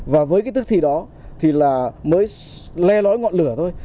và với cái tức thì đó thì là mới le lói ngọn lửa thôi